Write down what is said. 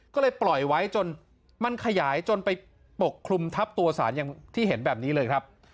ก็เลยปล่อยไว้จนมันขยายจนไปปกคลุมทับตัวสารอย่างที่เห็นแบบนี้เลยครับ